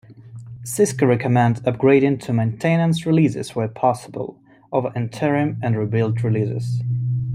Cisco recommend upgrading to Maintenance releases where possible, over Interim and Rebuild releases.